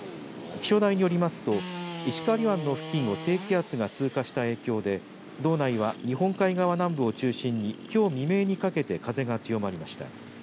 気象台によりますと石狩湾の付近を低気圧が通過した影響で道内は、日本海側南部を中心にきょう未明にかけて風が強まりました。